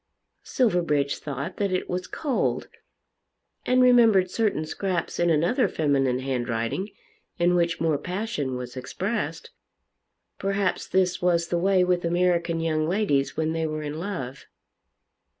Silverbridge thought that it was cold, and remembered certain scraps in another feminine handwriting in which more passion was expressed. Perhaps this was the way with American young ladies when they were in love.